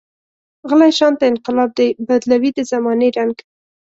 غلی شانته انقلاب دی، بدلوي د زمانې رنګ.